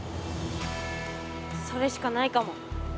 それしかないかも。